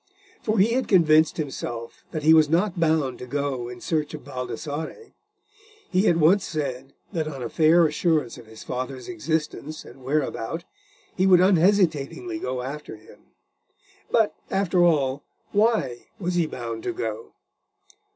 For he had convinced himself that he was not bound to go in search of Baldassarre. He had once said that on a fair assurance of his father's existence and whereabout, he would unhesitatingly go after him. But, after all, why was he bound to go?